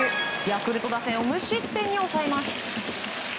ヤクルト打線を無失点に抑えます。